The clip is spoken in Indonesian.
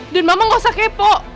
mama gak usah kepo